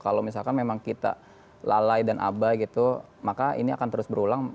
kalau misalkan memang kita lalai dan abai gitu maka ini akan terus berulang